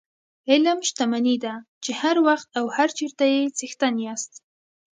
علم شتمني ده چې هر وخت او هر چېرته یې څښتن یاست.